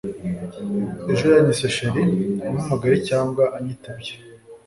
Ejo yanyise Cherie ampamagaye cyangwa anyitabye